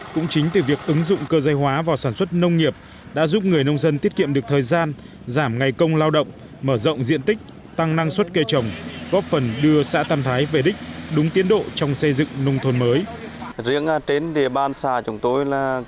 cũng chính từ việc ứng dụng cơ giới hóa vào sản xuất nông nghiệp đã giúp người nông dân tiết kiệm được thời gian giảm ngày công lao động mở rộng diện tích tăng năng suất cây trồng góp phần đưa xã tam thái về đích đúng tiến độ trong xây dựng nông thôn mới